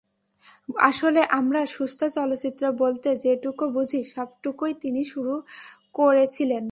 আসলে আমরা সুস্থ চলচ্চিত্র বলতে যেটুকু বুঝি, সবটুকুই তিনি শুরু করেছিলেন।